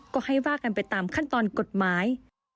ก็ให้ว่ากันไปตามขั้นตอนกฎหมาย